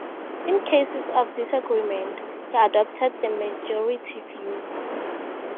In cases of disagreement he adopted the majority view.